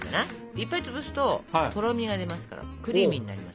いっぱい潰すととろみが出ますからクリーミーになります。